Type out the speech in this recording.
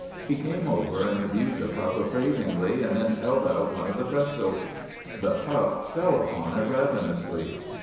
He came over and viewed the pup appraisingly and then held out one of the pret zels. The pup fell upon it ravenously.